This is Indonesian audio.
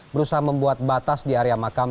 berusaha membuat batas di area makam